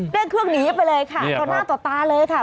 เร่งเครื่องหนีไปเลยค่ะต่อหน้าต่อตาเลยค่ะ